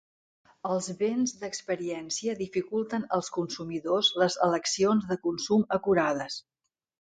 El béns d'experiència dificulten als consumidors les eleccions de consum acurades.